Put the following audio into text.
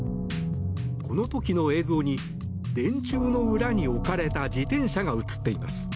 この時の映像に電柱の裏に置かれた自転車が映っています。